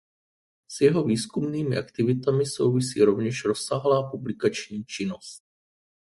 S jeho výzkumnými aktivitami souvisí rovněž rozsáhlá publikační činnost.